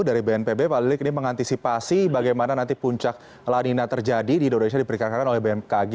dari bnpb pak lilik ini mengantisipasi bagaimana nanti puncak lanina terjadi di indonesia diperkirakan oleh bmkg